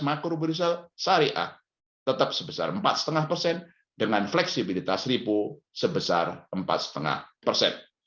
makro berusaha syariah tetap sebesar empat lima persen dengan fleksibilitas ripu sebesar empat lima persen